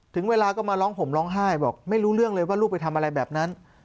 ถึงเวลาก็มาร้องห่มร้องไห้บอกไม่รู้เรื่องเลยว่าลูกไปทำอะไรแบบนั้น